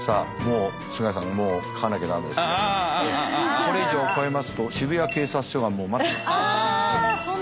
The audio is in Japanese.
これ以上超えますと渋谷警察署が待ってます。